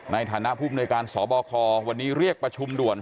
ในฐานะภูมิในการสบควันนี้เรียกประชุมด่วน